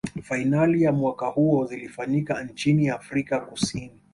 fainali za mwaka huo zilifanyika nchini afrika kusini